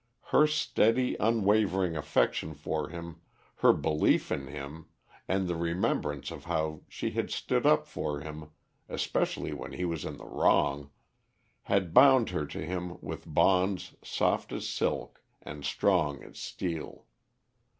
Her steady, unwavering affection for him, her belief in him, and the remembrance of how she had stood up for him, especially when he was in the wrong, had bound her to him with bonds soft as silk and strong as steel.